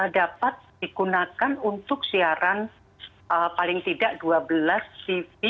dapat digunakan untuk siaran paling tidak dua belas tv